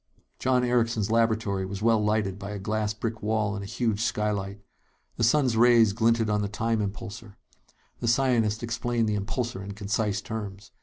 John Erickson's laboratory was well lighted by a glass brick wall and a huge skylight. The sun's rays glinted on the time impulsor. The scientist explained the impulsor in concise terms.